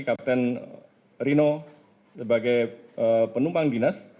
kapten rino sebagai penumpang dinas